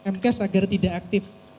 m cash agar tidak aktif